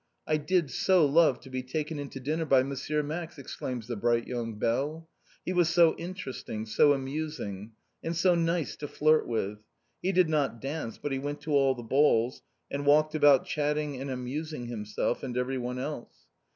"I did so love to be taken into dinner by M. Max!" exclaims the bright young belle. "He was so interesting, so amusing. And so nice to flirt with. He did not dance, but he went to all the balls, and walked about chatting and amusing himself, and everyone else.